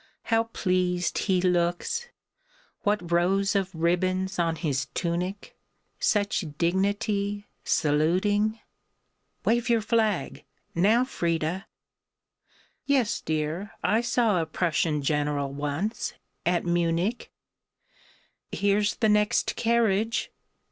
How pleased he looks! What rows of ribbons on his tunic! Such dignity ... Saluting ... (Wave your flag ... now, Freda!) ... Yes, dear, I saw a Prussian General once, at Munich. "Here's the next carriage!...